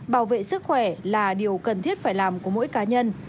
bảo vệ sức khỏe là điều cần thiết phải làm của mỗi cá nhân